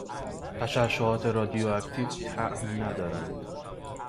تششعات رادیواکتیو طعم ندارند